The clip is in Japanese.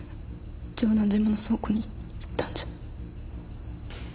城南島の倉庫に行ったんじゃ。